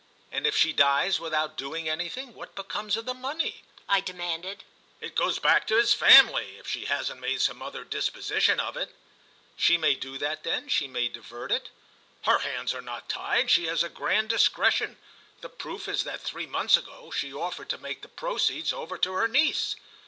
"And if she dies without doing anything, what becomes of the money?" I demanded. "It goes back to his family, if she hasn't made some other disposition of it." "She may do that then—she may divert it?" "Her hands are not tied. She has a grand discretion. The proof is that three months ago she offered to make the proceeds over to her niece."